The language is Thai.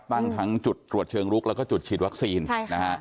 ตั้งทั้งจุดตรวจเชิงลุกแล้วก็จุดฉีดวัคซีนใช่นะฮะ